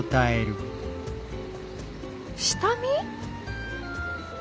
下見？